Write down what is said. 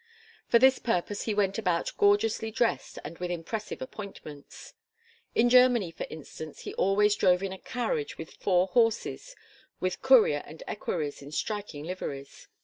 For this purpose he went about gorgeously dressed and with impressive appointments. In Germany for instance he always drove in a carriage with four horses with courier and equerries in striking liveries.